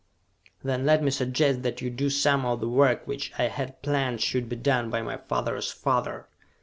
"Then let me suggest that you do some of the work which I had planned should be done by my father's father!